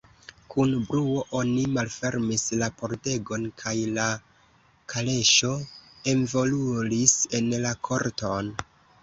Kun bruo oni malfermis la pordegon, kaj la kaleŝo enveluris en la korton.